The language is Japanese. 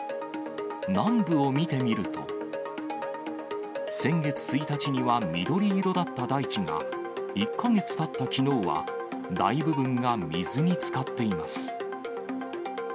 南部を見てみると、先月１日には緑色だった大地が、１か月たったきのうは、大部分が水につかっています。